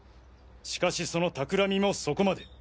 しかしその企みもそこまで。